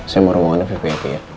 saya mau ruangannya vvip ya